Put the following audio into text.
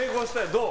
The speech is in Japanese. どう？